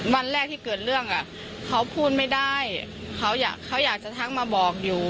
วันแรกที่เกิดเรื่องอ่ะเขาพูดไม่ได้เขาอยากเขาอยากจะทักมาบอกอยู่